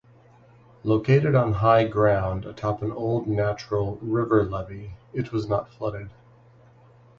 Located on high ground atop an old natural river levee, it was not flooded.